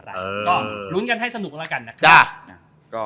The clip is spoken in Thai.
ก็ลุ้นกันให้สนุกแล้วกันนะครับ